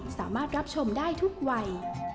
สามารถรับชมได้ทุกวัย